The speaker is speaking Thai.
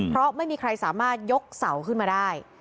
เพราะไม่มีใครสามารถยกเสาขึ้นมาได้